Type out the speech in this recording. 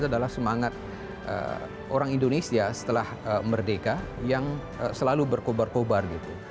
adalah semangat orang indonesia setelah merdeka yang selalu berkobar kobar gitu